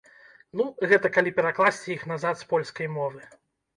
Ну, гэта калі перакласці іх назад з польскай мовы.